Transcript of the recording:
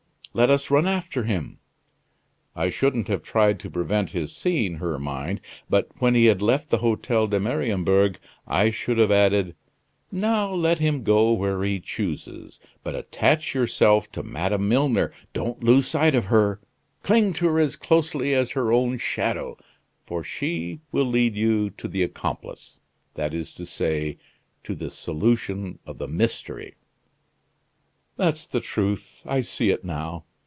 Let us run after him.' I shouldn't have tried to prevent his seeing her, mind. But when he had left the Hotel de Mariembourg, I should have added: 'Now, let him go where he chooses; but attach yourself to Madame Milner; don't lose sight of her; cling to her as closely as her own shadow, for she will lead you to the accomplice that is to say to the solution of the mystery.'" "That's the truth; I see it now."